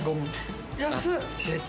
安っ！